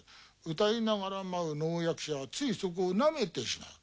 謡いながら舞う能役者はついそこをなめてしまう。